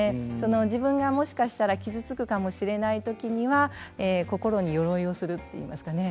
自分がもしかしたら傷つくかもしれないときには心によろいをするっていいますかね。